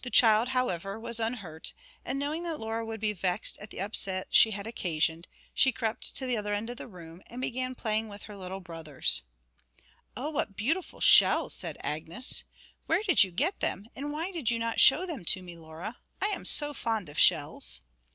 The child, however, was unhurt, and knowing that Laura would be vexed at the upset she had occasioned, she crept to the other end of the room, and began playing with her little brothers. 'Oh, what beautiful shells!' said Agnes. 'Where did you get them, and why did you not show them to me, Laura? I am so fond of shells!'